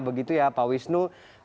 begitu ya pak wisnu